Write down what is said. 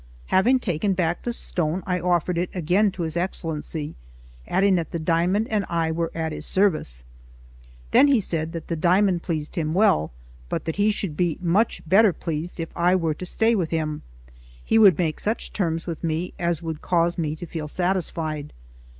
Having taken back the stone, I offered it again to his Excellency, adding that the diamond and I were at his service. Then he said that the diamond pleased him well, but that he should be much better pleased if I were to stay with him; he would make such terms with me as would cause me to feel satisfied.